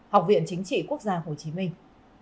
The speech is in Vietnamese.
học viện chính trị quốc gia hồ chí minh